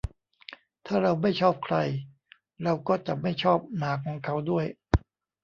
ถ้าเราไม่ชอบใคร เราก็จะไม่ชอบหมาของเขาด้วย